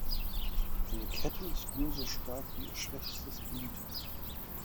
Eine Kette ist nur so stark wie ihr schwächstes Glied.